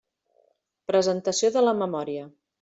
Presentació de la memòria.